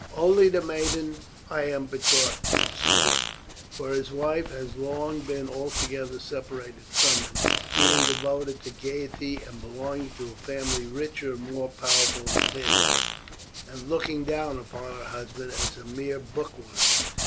"Only the maiden I am betrothed to, Caesar. He is now alone, for his wife has long been altogether separated from him, being devoted to gaiety and belonging to a family richer and more powerful than his, and looking down upon her husband as a mere bookworm.